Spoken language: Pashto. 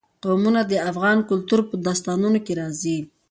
قومونه د افغان کلتور په داستانونو کې راځي.